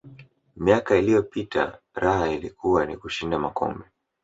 miaka iliyopita raha ilikuwa ni kushinda makombe